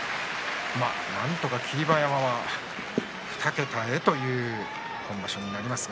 なんとか霧馬山、２桁へという今場所になります。